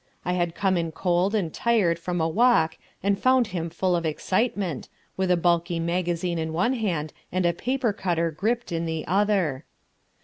I had come in cold and tired from a walk and found him full of excitement, with a bulky magazine in one hand and a paper cutter gripped in the other.